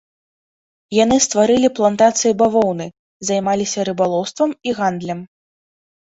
Яны стварылі плантацыі бавоўны, займаліся рыбалоўствам і гандлем.